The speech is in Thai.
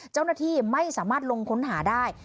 เจ้าหน้าที่ไม่สามารถลงค้นหาได้